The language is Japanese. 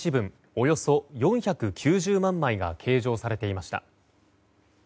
およそ４９０万枚が計上されていました。